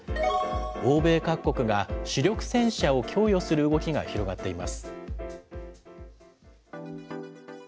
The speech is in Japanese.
欧米各国が主力戦車を供与する動きが広がっています。